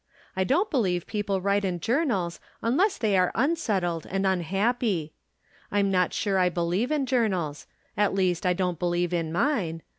I don't believe people write in jour nals unless they are unsettled and unhappy. I'm not sure I believe in journals ; at least I don't believe in mine.